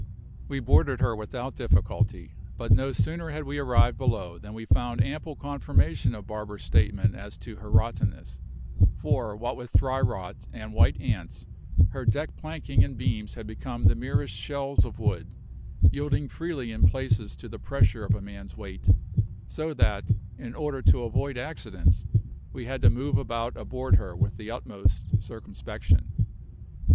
We boarded her without difficulty; but no sooner had we arrived below than we found ample confirmation of Barber's statement as to her rottenness, for, what with dry rot and white ants, her deck planking and beams had become the merest shells of wood, yielding freely in places to the pressure of a man's weight, so that, in order to avoid accidents, we had to move about aboard her with the utmost circumspection.